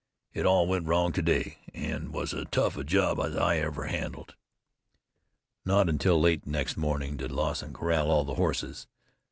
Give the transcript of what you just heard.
It all went wrong to day, and was as tough a job as I ever handled." Not until late next morning did Lawson corral all the horses.